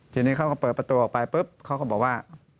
ทีนี้เขาก็เปิดประตูออกไปปุ๊บเขาก็บอกว่า